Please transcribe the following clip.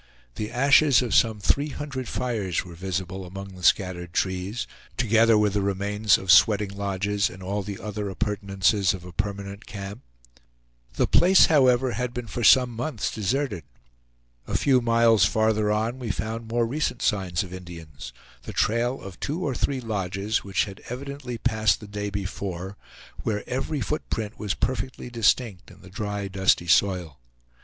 The ashes of some three hundred fires were visible among the scattered trees, together with the remains of sweating lodges, and all the other appurtenances of a permanent camp. The place however had been for some months deserted. A few miles farther on we found more recent signs of Indians; the trail of two or three lodges, which had evidently passed the day before, where every foot print was perfectly distinct in the dry, dusty soil.